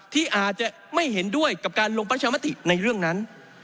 ที่อาจจะไม่เห็นด้วยกับการลงประชามติในเรื่องนั้น